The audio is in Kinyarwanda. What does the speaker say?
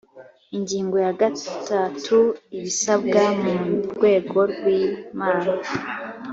ingingo ya gatatu ibisabwa mu rwego rwi iman